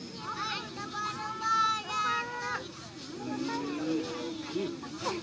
kalau ada yang mau disini